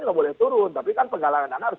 nggak boleh turun tapi kan penggalangan dana harus